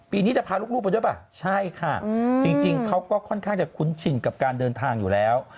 นี้จะพาลูกไปด้วยป่ะใช่ค่ะจริงเขาก็ค่อนข้างจะคุ้นชินกับการเดินทางอยู่แล้ว